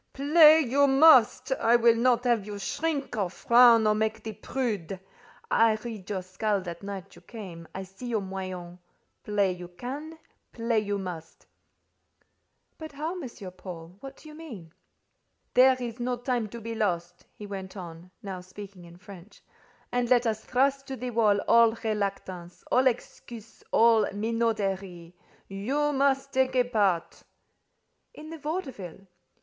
"Play you must. I will not have you shrink, or frown, or make the prude. I read your skull that night you came; I see your moyens: play you can; play you must." "But how, M. Paul? What do you mean?" "There is no time to be lost," he went on, now speaking in French; "and let us thrust to the wall all reluctance, all excuses, all minauderies. You must take a part." "In the vaudeville?"